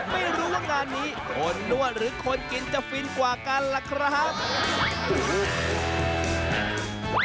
ไม่รู้ว่างานนี้คนนวดหรือคนกินจะฟินกว่ากันล่ะครับ